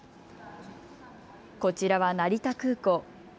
こちらは成田空港。